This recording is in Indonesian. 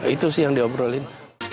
itu sih yang diobrolin